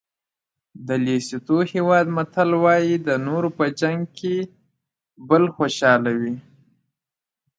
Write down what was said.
د لېسوتو هېواد متل وایي د نورو په جنګ بل خوشحاله وي.